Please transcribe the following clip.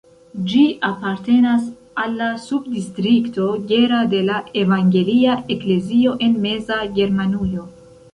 Ĝi apartenas al la subdistrikto Gera de la Evangelia Eklezio en Meza Germanujo.